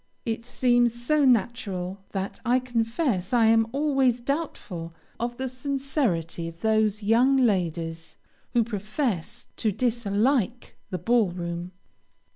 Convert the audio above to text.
It seems so natural that I confess I am always doubtful of the sincerity of those young ladies who profess to dislike the ball room.